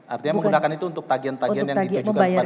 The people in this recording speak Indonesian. artinya menggunakan itu untuk tagihan tagihan yang ditujukan kepada saksi